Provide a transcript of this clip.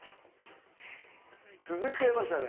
続いちゃいましたね。